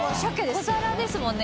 小皿ですもんね